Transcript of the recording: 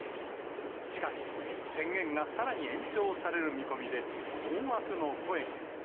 しかし、宣言がさらに延長される見込みで、困惑の声が。